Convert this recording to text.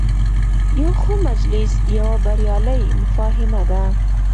یو ښه مجلس یوه بریالۍ مفاهمه ده.